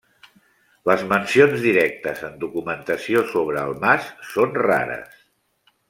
Les mencions directes en documentació sobre el mas són rares.